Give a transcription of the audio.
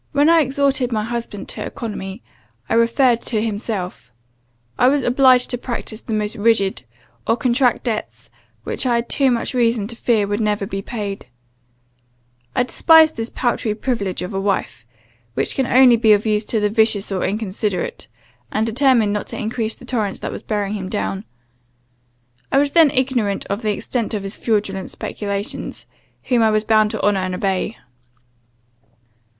"When I exhorted my husband to economy, I referred to himself. I was obliged to practise the most rigid, or contract debts, which I had too much reason to fear would never be paid. I despised this paltry privilege of a wife, which can only be of use to the vicious or inconsiderate, and determined not to increase the torrent that was bearing him down. I was then ignorant of the extent of his fraudulent speculations, whom I was bound to honour and obey.